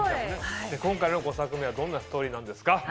今回の５作目はどんなストーリーなんですか？